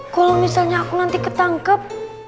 kalau misalnya aku nanti ketangkep